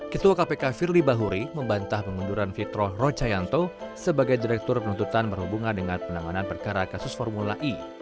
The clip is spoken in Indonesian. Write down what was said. ketua kpk firly bahuri membantah pengunduran fitroh roca yanto sebagai direktur penuntutan berhubungan dengan penanganan perkara kasus formula dua